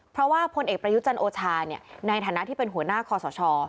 เพราะว่าพลเอกประยุจันทร์โอชาในฐานะที่เป็นหัวหน้าคอสช